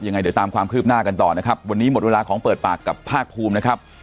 ยังไงเดี๋ยวตามความคืบหน้ากันต่อนะครับวันนี้หมดเวลาของเปิดปากกับภาคภูมินะครับ